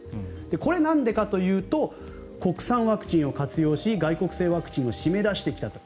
これはなんでかというと国産ワクチンを活用し外国製ワクチンを締め出してきたと。